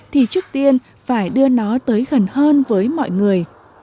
thì trước tiên phải đưa nó tới gần hơn với mọi người